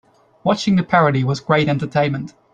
Watching the parody was great entertainment.